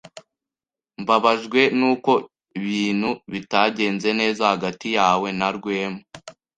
Mbabajwe nuko ibintu bitagenze neza hagati yawe na Rwema.